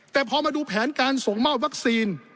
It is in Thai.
แต่พอมาดูแผนการส่งมอบวัคซีน